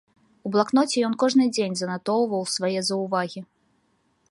У блакноце ён кожны дзень занатоўваў свае заўвагі.